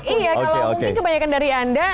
iya kalau mungkin kebanyakan dari anda